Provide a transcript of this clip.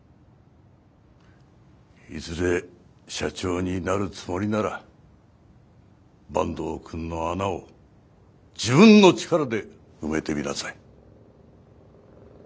いずれ社長になるつもりなら坂東くんの穴を自分の力で埋めてみなさい。